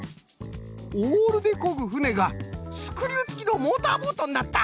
オールでこぐふねがスクリューつきのモーターボートになった！